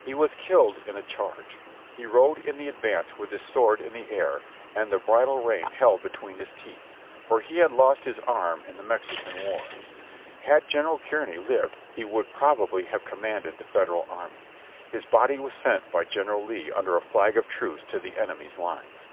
He was killed in a charge. He rode in the advance with his sword in the air and the bridle rein held between his teeth, for he had lost his arm in the Mexican War. Had General Kearny lived he would probably have commanded the Federal Army. His body was Sent by General Lee under a flag of truce to the enemy's lines.